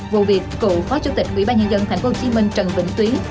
vụ việc cựu phó chủ tịch quỹ ba nhân dân tp hcm trần vĩnh tuyến